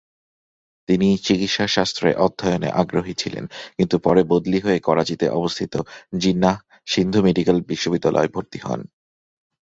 তিনি চিকিৎসাশাস্ত্রে অধ্যয়নে আগ্রহী ছিলেন, কিন্তু পরে বদলি হয়ে করাচীতে অবস্থিত জিন্নাহ সিন্ধু মেডিকেল বিশ্ববিদ্যালয়ে ভর্তি হন।